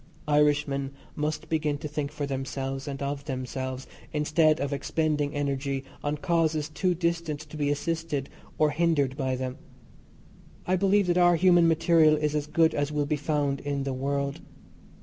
Irishmen must begin to think for themselves and of themselves, instead of expending energy on causes too distant to be assisted or hindered by them. I believe that our human material is as good as will be found in the world.